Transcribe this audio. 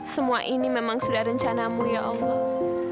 semua ini memang sudah rencanamu ya allah